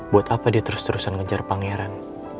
buat apa dia terus terusan ngejar pangeran